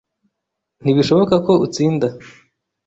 Ntibishoboka ko utsinda.